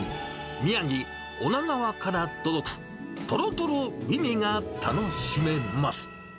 宮城・女川から届く、とろとろ美味が楽しめます。